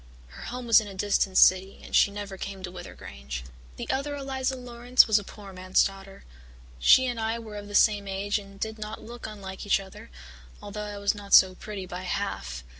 Her home was in a distant city and she never came to Wyther Grange. "The other Eliza Laurance was a poor man's daughter. She and I were of the same age and did not look unlike each other, although I was not so pretty by half.